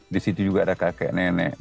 di situ juga ada kakek nenek